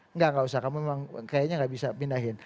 enggak enggak usah kamu memang kayaknya nggak bisa pindahin